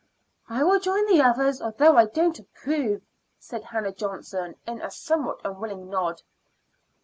"I will join the others, although I don't approve," said Hannah Johnson, with a somewhat unwilling nod.